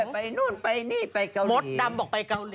ไปหน้านมาไปกรรมกับน้ำ